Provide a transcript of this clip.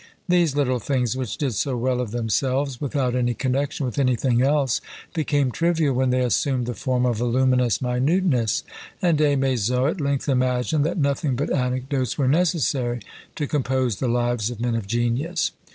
These little things, which did so well of themselves, without any connexion with anything else, became trivial when they assumed the form of voluminous minuteness; and Des Maizeaux at length imagined that nothing but anecdotes were necessary to compose the lives of men of genius!